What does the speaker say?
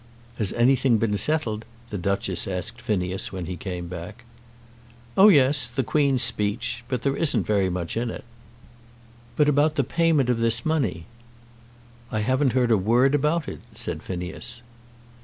"Has anything been settled?" the Duchess asked Phineas when he came back. "Oh yes; the Queen's Speech. But there isn't very much in it." "But about the payment of this money?" "I haven't heard a word about it," said Phineas.